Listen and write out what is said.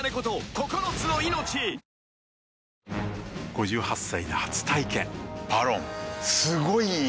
５８歳で初体験「ＶＡＲＯＮ」すごい良い！